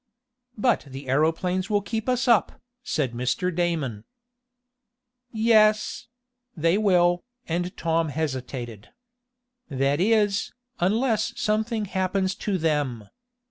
"But the aeroplanes will keep us up," said Mr. Daman. "Yes they will," and Tom hesitated. "That is, unless something happens to them.